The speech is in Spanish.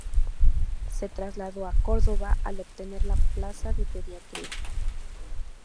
Se trasladó a Córdoba al obtener la plaza de pediatra.